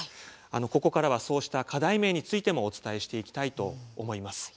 ここからは、そうした課題面についてもお伝えしていきたいと思います。